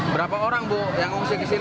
berapa orang yang ngungsi ke sini